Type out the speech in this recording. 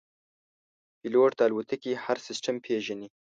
پیلوټ د الوتکې هر سیستم پېژني.